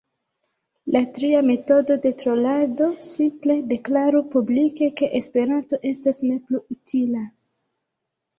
La tria metodo de trolado, simple deklaru publike ke esperanto estas ne plu utila.